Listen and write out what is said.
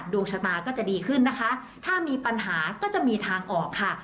ดวงชะตาก็จะดีขึ้นนะคะถ้ามีปัญหาก็จะมีทางออกค่ะ